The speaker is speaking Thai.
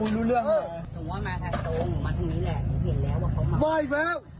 มีเจ็บ